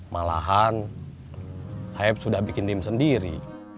malahan saya sudah bikin tim sendiri